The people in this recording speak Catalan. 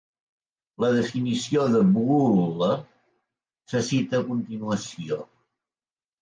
La definició de Boole se cita a continuació.